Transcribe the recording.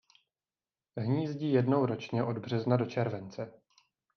Hnízdí jednou ročně od března do července.